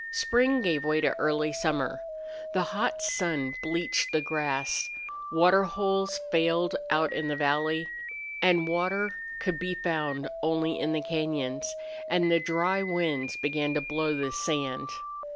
Spring gave way to early summer. The hot sun bleached the grass; water holes failed out in the valley, and water could be found only in the cañons; and the dry winds began to blow the sand.